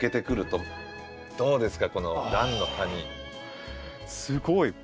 すごい。